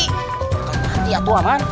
kalau mati atu aman